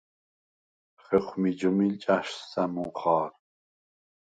ხეხუ̂მი ჯჷმილ ჭა̈შს სა̈მუნ ხა̄რ.